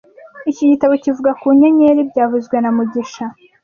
Iki gitabo kivuga ku nyenyeri byavuzwe na mugisha